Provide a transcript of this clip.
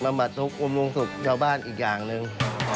บำบัดลุกบำรวงศึกชาวบ้านอีกอย่างนึง